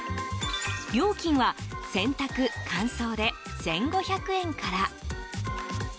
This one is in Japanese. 料金は、洗濯・乾燥で１５００円から。